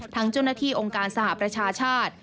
ทั้งเจ้าหน้าที่องค์การสหประชาชาติ